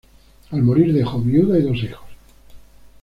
Al morir dejó viuda y dos hijos.